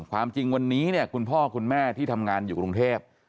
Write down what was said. ความจริงวันนี้เนี่ยคุณพ่อคุณแม่ที่ทำงานอยู่กรุงเทพ